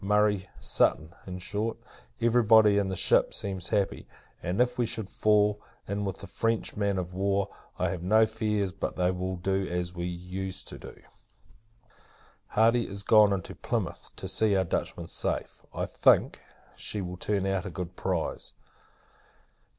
Murray, Sutton in short, every body in the ship, seems happy; and, if we should fall in with a French man of war, I have no fears but they will do as we used to do. Hardy is gone into Plymouth, to see our Dutchman safe. I think, she will turn out a good prize.